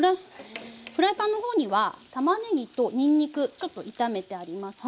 フライパンの方にはたまねぎとにんにくちょっと炒めてあります。